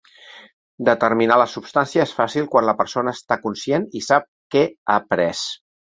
Determinar la substància és fàcil quan la persona està conscient i sap què ha pres.